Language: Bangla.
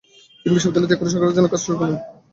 তিনি বিশ্ববিদ্যালয় ত্যাগ করে সরকারের জন্য কাজ শুরু করেন।